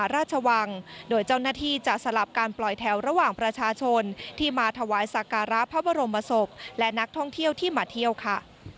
โรงประสบและนักท่องเที่ยวที่มาเที่ยวค่ะ